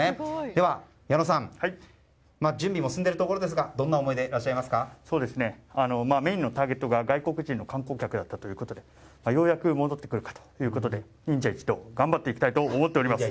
では矢野さん準備も進んでいるところですがメインのターゲットが外国人観光客ということでようやく戻ってくるかということで忍者一同頑張っていきたいと思っております。